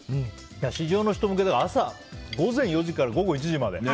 市場の人向けだから午前４時から午後１時まで。